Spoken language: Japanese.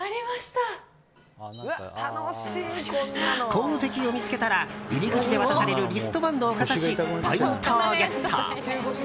鉱石を見つけたら入り口で渡されるリストバンドをかざしポイントをゲット。